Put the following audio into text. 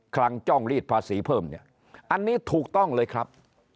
ลังจ้องรีดภาษีเพิ่มเนี่ยอันนี้ถูกต้องเลยครับ